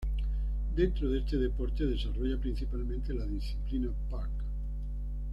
Dentro de este deporte desarrolla principalmente la disciplina "Park".